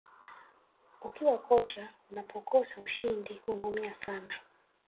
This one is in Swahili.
ukiwa kocha unapokosa ushindi unaumia sana